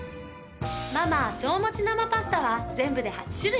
マ・マー超もち生パスタは全部で８種類。